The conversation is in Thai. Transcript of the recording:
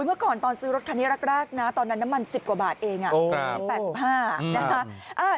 เมื่อก่อนตอนซื้อรถคันนี้แรกนะตอนนั้นน้ำมัน๑๐กว่าบาทเองที่๘๕นะคะ